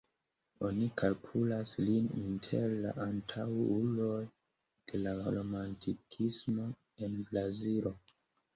Oni kalkulas lin inter la antaŭuloj de la Romantikismo en Brazilo.